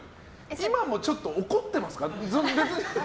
今もちょっと怒ってますか？